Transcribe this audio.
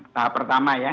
tahap pertama ya